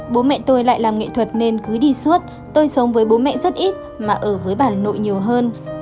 bố mẹ tôi lại làm nghệ thuật nên cứ đi suốt tôi sống với bố mẹ rất ít mà ở với bản nội nhiều hơn